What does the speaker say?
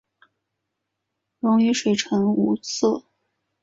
溶于水呈无色。